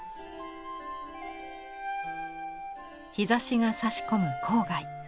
日ざしがさし込む郊外。